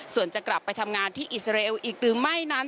ส่วนจะกลับไปทำงานที่อิสราเอลอีกหรือไม่นั้น